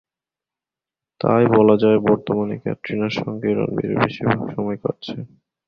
তাই বলা যায়, বর্তমানে ক্যাটরিনার সঙ্গেই রণবিরের বেশির ভাগ সময় কাটছে।